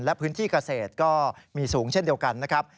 และพื้นที่เกษตรก็มีสูงเช่นเดียวกันนะครับ